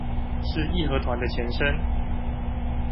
是義和團的前身